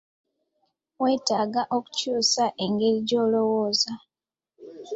Weetaaga okukyusa engeri gy'olowooza.